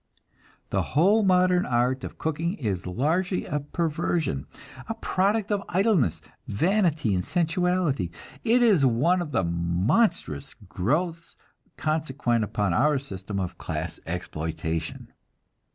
The whole modern art of cooking is largely a perversion; a product of idleness, vanity, and sensuality. It is one of the monstrous growths consequent upon our system of class exploitation.